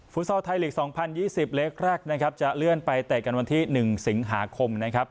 ซอลไทยลีก๒๐๒๐เล็กแรกนะครับจะเลื่อนไปเตะกันวันที่๑สิงหาคมนะครับ